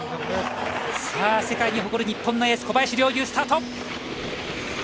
世界に誇る日本のエース、小林陵侑、スタート！